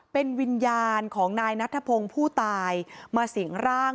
เป็นวิญญาณของนายนัทธพงศ์ผู้ตายมาสิงร่าง